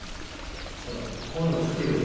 そしたらこういうの作れよって。